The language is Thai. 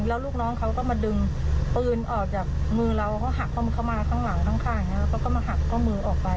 ก็มาหักข้อมือออกไป